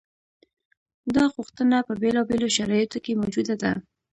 دا غوښتنه په بېلابېلو شرایطو کې موجوده ده.